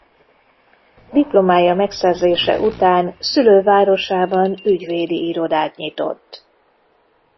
Diplomája megszerzése után szülővárosában ügyvédi irodát nyitott.